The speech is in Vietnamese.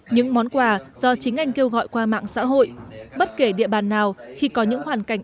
những món quà do chính anh kêu gọi qua mạng xã hội bất kể địa bàn nào khi có những hoàn cảnh